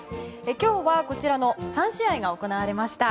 今日は、こちらの３試合が行われました。